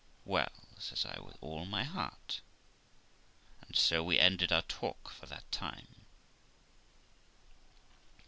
' Well ', says I, ' with all my heart '; and so we ended our talk for that time.